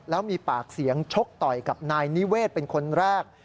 แล้วมีปากเสียงชกต่อยกับนายนิเวศเป็นคนแรก